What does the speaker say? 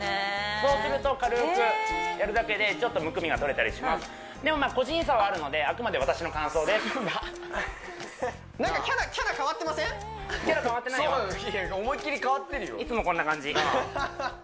そうすると軽くやるだけでちょっとむくみが取れたりしますでも個人差はあるのであくまで私の感想ですキャラ変わってないよ思いっきり変わってるよ